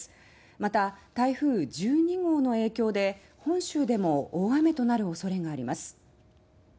また、台風１２号の影響で本州でも大雨となるおそれがあります。